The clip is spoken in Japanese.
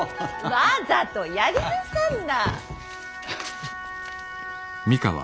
わざとやりなさんな！